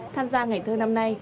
tham gia ngày thơ năm nay